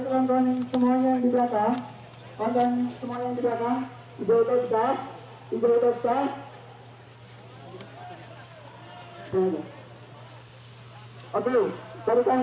kulangan tangan di depan